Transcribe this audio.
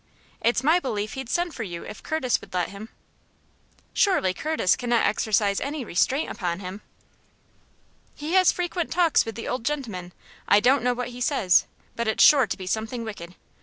"It's my belief he'd send for you if Curtis would let him." "Surely Curtis cannot exercise any restraint upon him?" "He has frequent talks with the old gentleman. I don't know what he says, but it's sure to be something wicked.